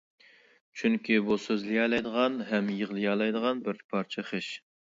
چۈنكى بۇ سۆزلىيەلەيدىغان ھەم يىغلىيالايدىغان بىر پارچە خىش!